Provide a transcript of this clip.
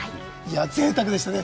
ぜいたくでしたね。